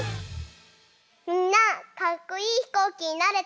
みんなかっこいいひこうきになれた？